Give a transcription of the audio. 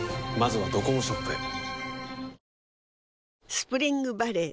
スプリングバレー